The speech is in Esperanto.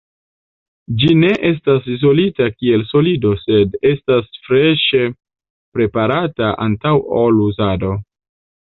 Ĝi ne estas izolita kiel solido, sed estas freŝe preparata antaŭ ol uzado.